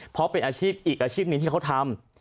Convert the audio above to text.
เพราะเป็นอาชีพอีกอาชีพหนึ่งที่เขาทำ